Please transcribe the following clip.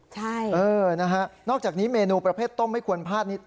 ใช่เออนะฮะนอกจากนี้เมนูประเภทต้มไม่ควรพลาดนิด